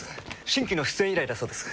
新規の出演依頼だそうです。